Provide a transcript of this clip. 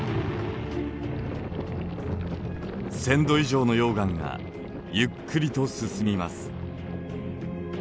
１，０００度以上の溶岩がゆっくりと進みます。